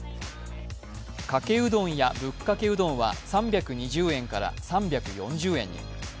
かけうどんやぶっかけうどんは３２０円から３４０円に。